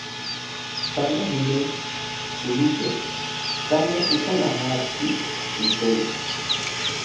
Tala lume kanawa kulutwe kanda utala hashi nyi sonyi.